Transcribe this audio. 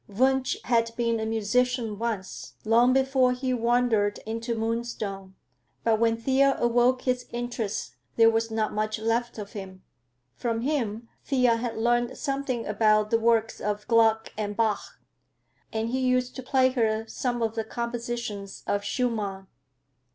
Wunsch had been a musician once, long before he wandered into Moonstone, but when Thea awoke his interest there was not much left of him. From him Thea had learned something about the works of Gluck and Bach, and he used to play her some of the compositions of Schumann.